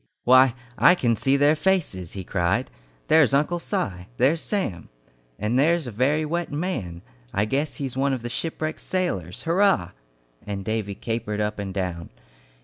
"Why, I can see their faces!" he cried. "There's Uncle Si! There's Sam! And there's a very wet man! I guess he's one of the shipwrecked sailors! Hurrah!" and Davy capered up and down.